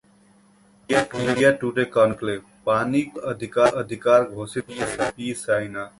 India Today conclave: पानी को मूल अधिकार घोषित करें- पी साईनाथ